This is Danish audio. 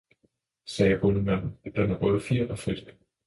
sagde bondemanden, den har både fjer og fedt!